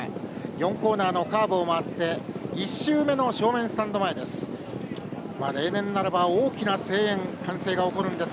４コーナーのカーブを曲がって１周目の正面スタンド前です。